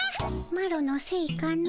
マロのせいかの？